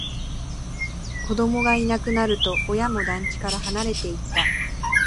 子供がいなくなると、親も団地から離れていった